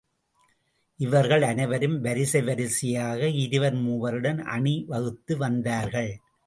இவர்கள் அனைவரும் வரிசை வரிசையாக இருவர் மூவருடன் அணிவகுத்து வந்தார்கள்.